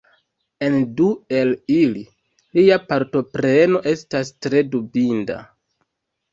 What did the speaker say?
En du el ili, lia partopreno estas tre dubinda.